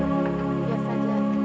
tahu tahu siapa kami